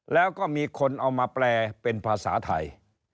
แล้วก็มีคนเอามาแปลเป็นภาษาไทย